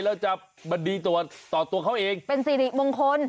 แล้วจะมาดีต่อตัวเขาเองเป็นสิริมงคล